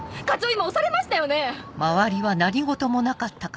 今押されましたよね